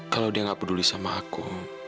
kalau dia nggak peduli sama aku